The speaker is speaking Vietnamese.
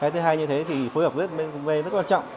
thứ hai như thế thì phối hợp rất quan trọng